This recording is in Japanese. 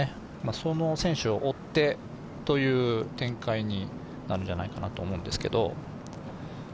その選手を追ってという展開になるんじゃないかと思うんですけど。